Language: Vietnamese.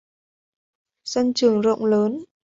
Sân trường rộng lớn